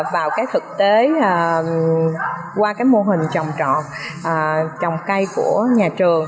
vào cái thực tế qua cái mô hình trồng trọt trồng cây của nhà trường